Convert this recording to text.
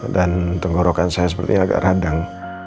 dan tenggorokan saya sepertinya agak radang